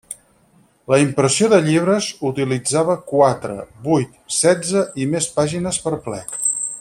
La impressió de llibres utilitzava quatre, vuit, setze i més pàgines per plec.